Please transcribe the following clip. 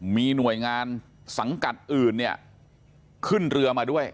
มีหน่วยงานสังกัดอื่นเนี่ยขึ้นเรือมาด้วย